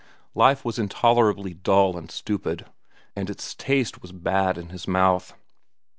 Life was intolerably dull and stupid, and its taste was bad in his mouth.